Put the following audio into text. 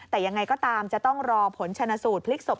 แต่ยังไงก็ตามจะต้องรอผลชนะสูตรพลิกศพ